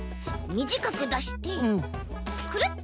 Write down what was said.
みじかくだしてくるっ！